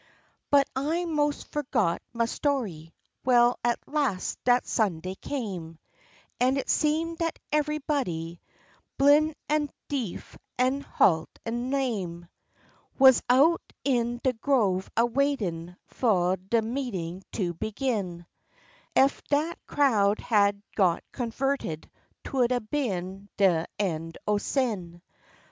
But I mos' forgot ma story, well at las' dat Sunday came And it seemed dat evehbody, blin' an' deef, an' halt an' lame, Wuz out in de grove a waitin' fu' de meetin' to begin; Ef dat crowd had got converted 'twould a been de end o' sin.